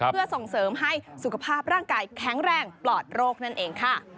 เพื่อส่งเสริมให้สุขภาพร่างกายแข็งแรงปลอดโรคนั่นเองค่ะ